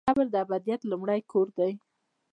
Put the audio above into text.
قبر د ابدیت لومړی کور دی؟